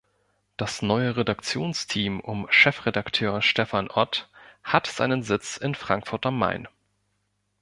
Das neue Redaktionsteam um Chefredakteur Stephan Ott hat seinen Sitz in Frankfurt am Main.